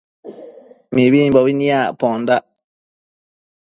Mibimbobi nicpondac